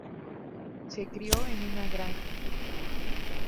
Se crio en una granja.